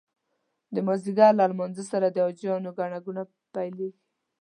د مازدیګر له لمانځه سره د حاجیانو ګڼه ګوڼه پیلېږي.